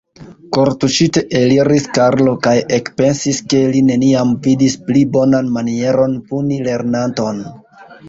Kortuŝite eliris Karlo kaj ekpensis, ke li neniam vidis pli bonan manieron puni lernanton.